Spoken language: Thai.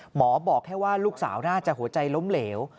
หมอบอกแค่ว่าลูกสาวน่าจะหัวใจล้มเหลว